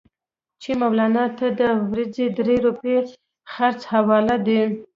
چې مولنا ته د ورځې درې روپۍ خرڅ حواله دي.